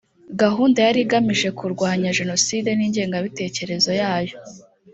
gahunda yari igamije kurwanya jenoside n’ ingengabitekerezo yayo